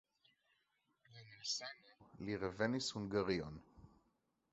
Pro malsano li revenis Hungarion.